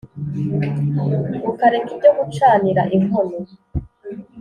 ukareka ibyo gucanira inkono